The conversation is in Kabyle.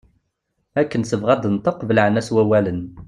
Akken tebɣa ad d-tenṭeq belɛen-as wawalen.